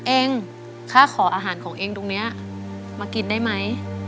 เองค่าขออาหารของเองตรงนี้มากินได้ไหม